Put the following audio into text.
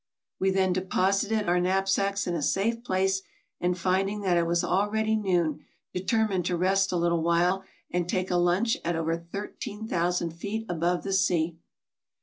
We then deposited our knapsacks in a safe place, and, finding that it was already noon, determined to rest a little while and take a lunch at over 13,000 feet above the sea.